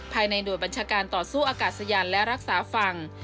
ภายในหน่วยบัญชาการต่อสู้อากาศยานและรักษาฝั่ง